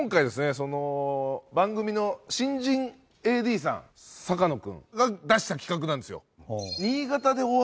その番組の新人ＡＤさん坂野君が出した企画なんですよ。